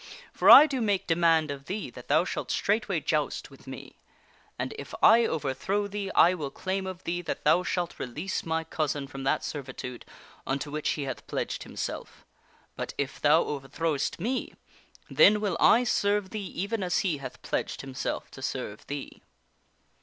For I do make demand of thee that thou shalt straightway joust with me. And if I overthrow thee I will claim of thee that thou shalt release my cousin from that servitude unto which he hath pledged himself. But if thou overthrowst me, then will I serve thee even as he hath pledged himself to serve thee."